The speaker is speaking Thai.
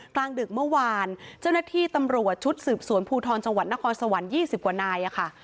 กลางดึกเมื่อวานเจ้าหน้าที่ตำรวจชุดสืบสวนภูทรจังหวัดนครสวรรค์๒๐กว่านายค่ะ